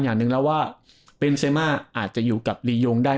อย่างหนึ่งแล้วว่าเป็นเซมาอาจจะอยู่กับลียงได้